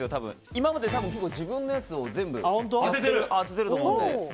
今まで自分のやつを全部当ててると思うので。